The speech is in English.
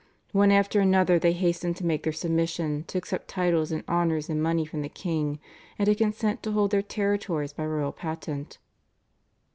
One after another they hastened to make their submission, to accept titles and honours and money from the king, and to consent to hold their territories by royal patent.